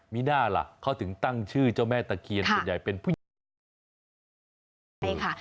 มีน่าล่ะเขาถึงตั้งชื่อเจ้าแม่ตะเคียนส่วนใหญ่เป็นผู้หญิง